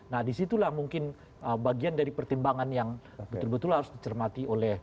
nah disitulah mungkin bagian dari pertimbangan yang betul betul harus dicermati oleh